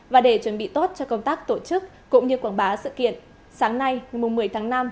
và để chuẩn bị tốt cho công tác tổ chức cũng như quảng bá sự kiện sáng nay một mươi tháng năm